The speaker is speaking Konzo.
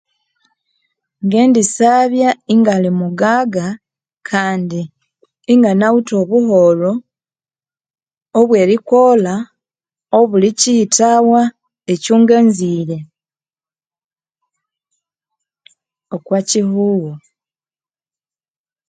Ngendisabya ingali mugaga kandi inganawithe obuholho obwerikolha obulikiyithawa ekyonganzire okokihogho